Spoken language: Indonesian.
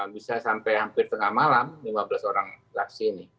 bisa sampai hampir tengah malam lima belas orang laksi ini